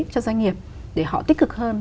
cho doanh nghiệp để họ tích cực hơn